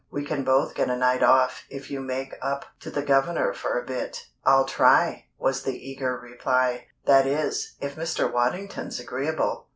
We can both get a night off if you make up to the governor for a bit." "I'll try," was the eager reply, "that is, if Mr. Waddington's agreeable."